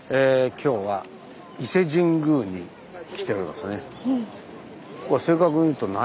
今日は伊勢神宮に来ておりますね。